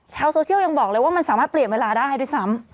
ชาวโซเชียลยังบอกเลยว่ามันสามารถเปลี่ยนเวลาได้ด้วยซ้ำ